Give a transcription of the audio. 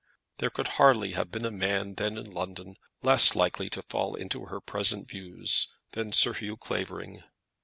There could hardly have been a man then in London less likely to fall into her present views than Sir Hugh Clavering.